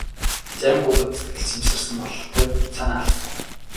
Зарим хүүхэд сэтгэл шимширсэн бололтой санаа алдав.